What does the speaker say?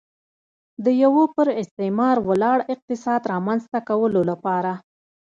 د یوه پر استثمار ولاړ اقتصاد رامنځته کولو لپاره.